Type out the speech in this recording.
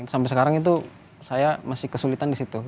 sampai sekarang itu saya masih kesulitan disitu